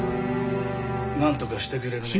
なんとかしてくれるね？